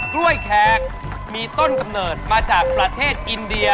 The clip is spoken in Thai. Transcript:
กล้วยแขกมีต้นกำเนิดมาจากประเทศอินเดีย